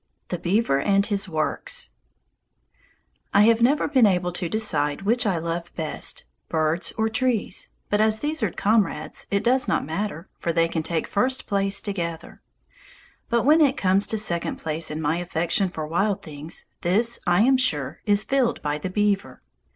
The Beaver and his Works I have never been able to decide which I love best, birds or trees, but as these are really comrades it does not matter, for they can take first place together. But when it comes to second place in my affection for wild things, this, I am sure, is filled by the beaver.